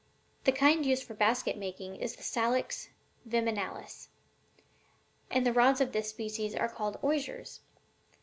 The kind used for basket making is the Salix viminalis, and the rods of this species are called 'osiers.'